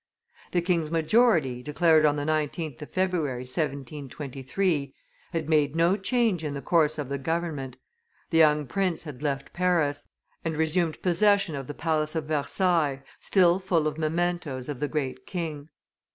The king's majority, declared on the 19th of February, 1723, had made no change in the course of the government; the young prince had left Paris, and resumed possession of that Palace of Versailles, still full of mementoes of the great king.